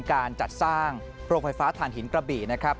การจัดสร้างโรงไฟฟ้าฐานหินกระบี่นะครับ